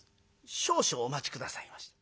少々お待ち下さいまし」。